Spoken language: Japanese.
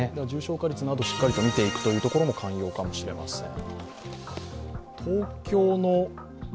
重症化率など、しっかりと見ていくところも肝要かもしれません。